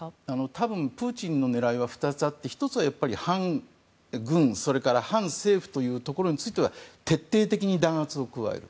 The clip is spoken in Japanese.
多分、プーチンの狙いは２つあって、１つは反軍それから反政府というところには徹底的に弾圧を加える。